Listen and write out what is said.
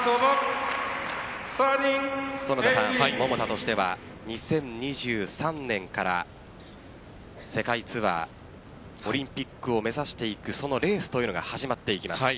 桃田としては２０２３年から世界ツアーオリンピックを目指していくレースというのが始まっていきます。